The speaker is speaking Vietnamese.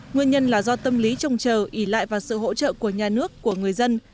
nguyên nhân là do tâm lý trồng trờ ý lại và sự hỗ trợ của nhà nước của người dân